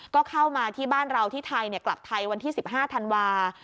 ก็เข้ามาที่บ้านเราที่ไทยกลับไทยวันที่๑๕ธันวาคม